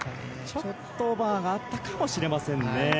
ちょっとオーバーがあったかもしれませんね。